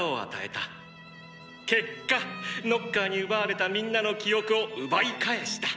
結果ノッカーに奪われたみんなの記憶を奪い返した。